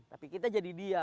tapi kita jadi dia